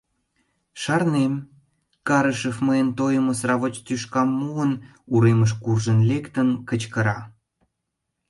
Шарнем: Карышев мыйын тойымо сравоч тӱшкам муын, уремыш куржын лектын, кычкыра: